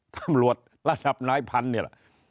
ตำรวจระดับนายพันธุ์นี่แหละ